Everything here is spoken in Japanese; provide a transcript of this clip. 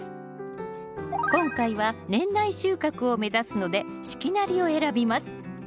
今回は年内収穫を目指すので四季なりを選びます